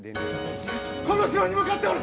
この城に向かっておる！